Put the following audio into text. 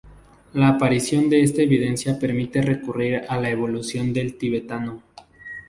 La aparición de esa evidencia permite reconstruir la evolución del tibetano.